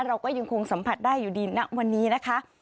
เราก็ยังคงสัมผัสได้อยู่ดีณวันนี้นะคะ